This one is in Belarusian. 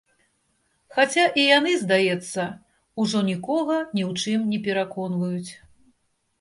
Хаця і яны, здаецца, ужо нікога ні ў чым не пераконваюць.